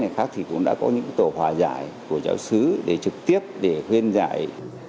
khác thì cũng đã có những tổ hòa giải của giáo sứ để trực tiếp để khuyên giải